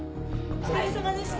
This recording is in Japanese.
お疲れさまでした。